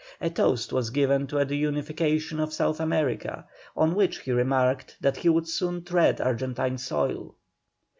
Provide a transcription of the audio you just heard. A toast was given to the unification of South America, on which he remarked that he would soon tread Argentine soil.